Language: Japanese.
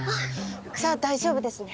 じゃあ大丈夫ですね。